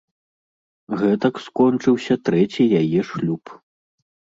Гэтак скончыўся трэці яе шлюб.